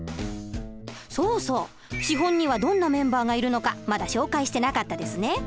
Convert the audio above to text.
そうそう資本にはどんなメンバーがいるのかまだ紹介してなかったですね。